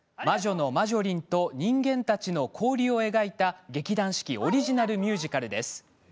魔女のマジョリンと人間たちの交流を描いた劇団四季オリジナルミュージカルです。